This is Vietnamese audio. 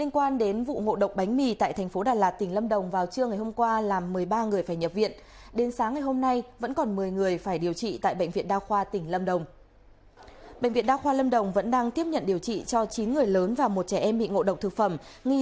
các bạn hãy đăng ký kênh để ủng hộ kênh của chúng mình nhé